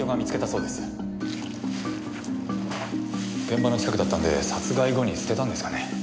現場の近くだったんで殺害後に捨てたんですかね？